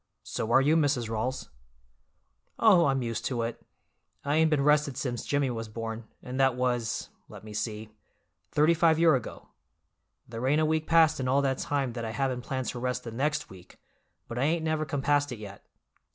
"So are you, Mrs. Rawls." "Oh, I'm used to it. I ain't been rested since Jimmy was born, and that was—let me see—thirty five year ago. There ain't a week passed in all that time that I haven't planned to rest the next week, but I ain't never compassed it yet."